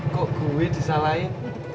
kok gue disalahin